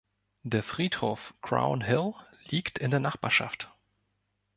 Der Friedhof Crown Hill liegt in der Nachbarschaft.